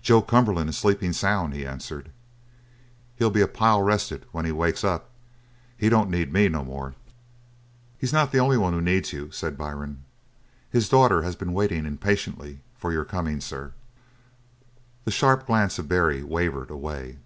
"Joe Cumberland is sleepin' soun'," he answered. "He'll be a pile rested when he wakes up. He don't need me no more." "He's not the only one who needs you," said Byrne. "His daughter has been waiting impatiently for your coming, sir." The sharp glance of Barry wavered away.